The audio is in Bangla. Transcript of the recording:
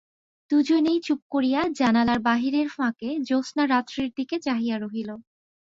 দুজনেই চুপ করিয়া জানালার বাহিরের ফাঁকে জ্যোৎস্নারাত্রির দিকে চাহিয়া রহিল।